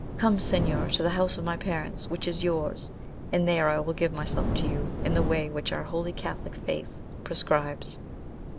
Come, señor, to the house of my parents, which is yours, and there I will give myself to you in the way which our holy catholic faith prescribes."